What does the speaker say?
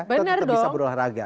kita bisa berolahraga